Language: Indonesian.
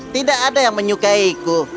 tidak ada yang menyukaiku